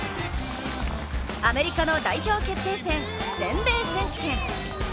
アメリカの代表決定戦、全米選手権。